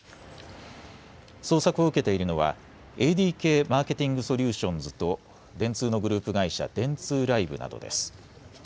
捜索を受けているのはＡＤＫマーケティング・ソリューションズと電通のグループ会社、電通ライブなどです。